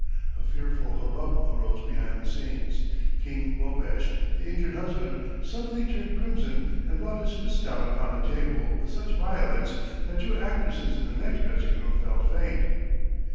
A fearful hubbub arose behind the scenes. King Bobesh, the injured husband, suddenly turned crimson and brought his fist down upon the table with such violence that two actresses in the next dressing room felt faint.